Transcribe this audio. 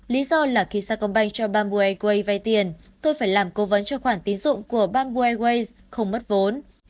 lý do là khi sa công banh cho bamboo airways vay tiền tôi phải làm cố vấn cho khoản tín dụng của bamboo airways không mất vốn